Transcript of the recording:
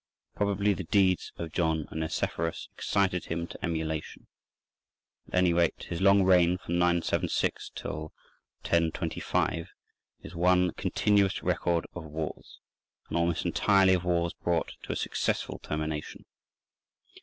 Probably the deeds of John and Nicephorus excited him to emulation: at any rate his long reign from 976 till 1025, is one continuous record of wars, and almost entirely of wars brought to a successful termination.